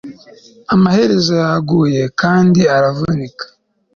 Amaherezo yaguyekandi aravunika